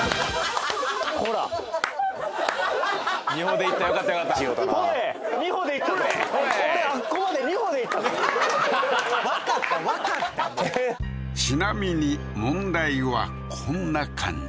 ほら２歩でいったよかったよかったははははっわかったわかったもうちなみに問題はこんな感じ